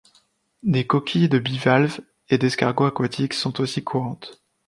Des coquilles de bivalves et d'escargots aquatiques sont aussi courantes.